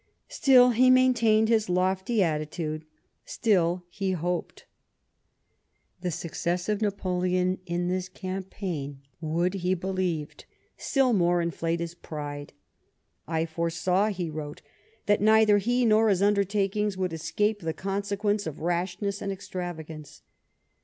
Still, he maintained his lofty attitude— still he hoped The success of Napoleon in THE MABRIAGE. G3 this campaign would, he believed, still more inflate his pride. " I foresaw," he wrote, " that neither he nor his undertakings would escape the consequence of rashness and extravagance.